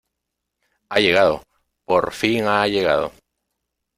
¡ Ha llegado! ¡ por fin ha llegado !